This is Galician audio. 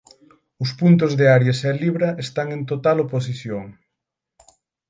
Os puntos de Aries e Libra están en total oposición.